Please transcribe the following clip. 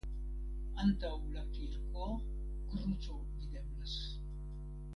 Antaŭ la kirko kruco videblas.